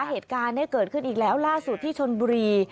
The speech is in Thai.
เหตุการณ์นี้เกิดขึ้นอีกแล้วล่าสุดที่ชนบุรี